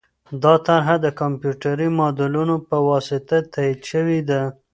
دا طرحه د کمپیوټري ماډلونو په واسطه تایید شوې ده.